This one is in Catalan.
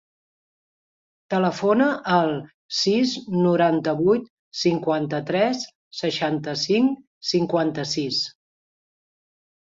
Telefona al sis, noranta-vuit, cinquanta-tres, seixanta-cinc, cinquanta-sis.